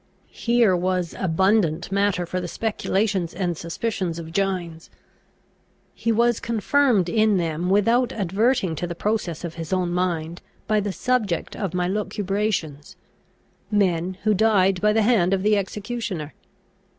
Here was abundant matter for the speculations and suspicions of Gines. He was confirmed in them, without adverting to the process of his own mind, by the subject of my lucubrations, men who died by the hand of the executioner.